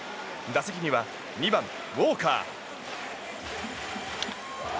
打席には２番、ウォーカー。